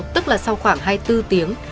tức là sau khoảng hai mươi bốn tiếng